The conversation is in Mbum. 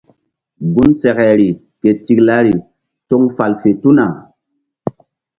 Gun sekeri ke tiklari toŋ fal fe tuna.